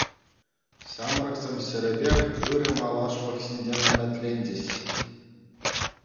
Ҫамрӑксем ҫӗрӗпех ырӑ малашлӑх ҫинчен ӗмӗтленчӗҫ.